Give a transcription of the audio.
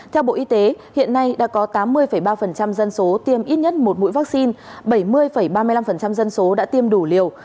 theo bộ y tế hiện nay đã có tám mươi ba dân số tiêm ít nhất một mũi vaccine bảy mươi ba mươi năm dân số đã tiêm đủ liều